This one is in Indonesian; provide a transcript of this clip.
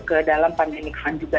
ke dalam pandemic fund juga